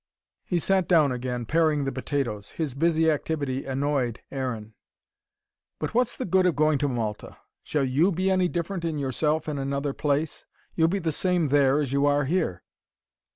He sat down again, paring the potatoes. His busy activity annoyed Aaron. "But what's the good of going to Malta? Shall YOU be any different in yourself, in another place? You'll be the same there as you are here."